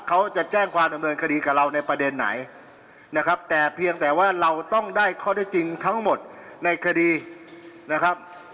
เขาจะแจ้งความดำเนินคดีกับเราในประเด็นไหนนะครับแต่เพียงแต่ว่าเราต้องได้ข้อได้จริงทั้งหมดในคดีนะครับ